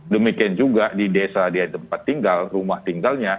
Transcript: demikian juga di desa di tempat tinggal rumah tinggalnya